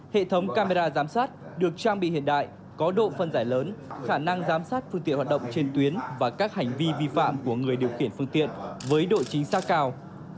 hệ thống camera giám sát được trang bị hiện đại có độ phân giải lớn khả năng giám sát phương tiện hoạt động trên tuyến và các hành vi vi phạm của người điều khiển phương tiện với độ chính xác cao